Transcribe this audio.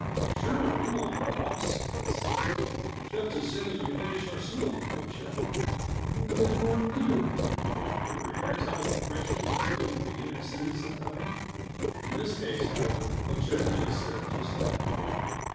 "Sure, we want to cross," I said. "Just as soon as we finish our smoke, Pochette." "But, mon Dieu!" (Ever hear tell of a Frenchman that didn't begin his sentences that way? In this case, however, Pochette really said just that.)